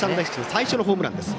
最初のホームランです。